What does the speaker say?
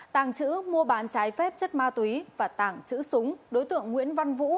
tàng chữ mua bán trái phép chất ma túy và tàng chữ súng đối tượng nguyễn văn vũ